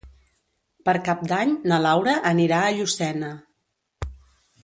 Per Cap d'Any na Laura anirà a Llucena.